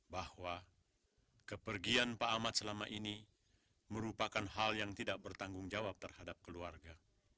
bahwa kepergian pak ahmad selama ini merupakan hal yang tidak bertanggung jawab terhadap keluarga